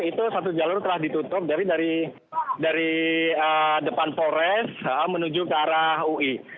itu satu jalur telah ditutup dari depan polres menuju ke arah ui